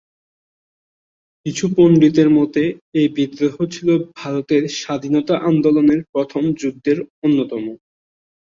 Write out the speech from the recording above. কিছু পন্ডিতের মতে এই বিদ্রোহ ছিল ভারতের স্বাধীনতা আন্দোলনের প্রথম যুদ্ধের অন্যতম।